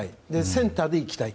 センターでいきたい。